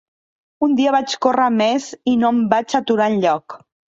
Un dia vaig córrer més i no em vaig aturar enlloc.